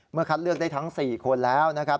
คัดเลือกได้ทั้ง๔คนแล้วนะครับ